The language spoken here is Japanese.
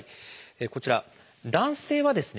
こちら男性はですね